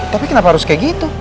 tapi kenapa harus kayak gitu